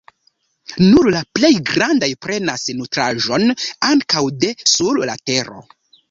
Nur la plej grandaj prenas nutraĵon ankaŭ de sur la tero.